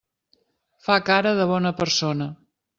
Fa cara de bona persona.